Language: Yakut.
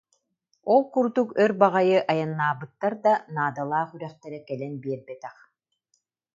Ол курдук өр баҕайы айаннаабыттар да, наадалаах үрэхтэрэ кэлэн биэрбэтэх